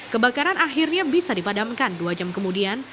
kebakaran akhirnya bisa dipadamkan dua jam kemudian